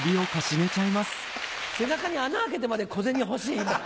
背中に穴開けてまで小銭欲しいんだ。